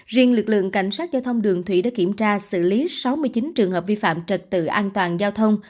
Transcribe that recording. riêng lực lượng cảnh sát giao thông đường thủy đã kiểm tra xử lý sáu mươi chín trường hợp vi phạm trật tự an toàn giao thông